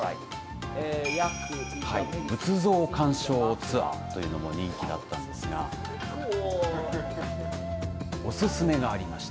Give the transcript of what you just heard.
仏像鑑賞ツアーというのも人気だったんですがおすすめがありました。